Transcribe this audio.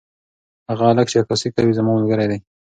هغه هلک چې عکاسي کوي زما ملګری دی.